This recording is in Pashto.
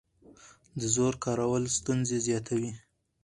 د زور کارول ستونزې زیاتوي